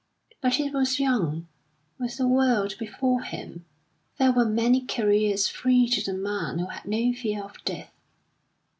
But he was young, with the world before him; there were many careers free to the man who had no fear of death.